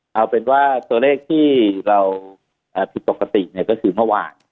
เอาเป็นว่าตัวเลขที่เราผิดปกติก็คือเมื่อวาน